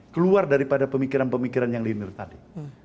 keluar daripada pemikiran pemikiran yang liner tadi